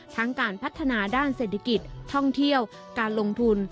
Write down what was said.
การพัฒนาด้านเศรษฐกิจท่องเที่ยวการลงทุน